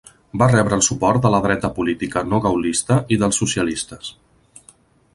Va rebre el suport de la Dreta política no gaullista i dels socialistes.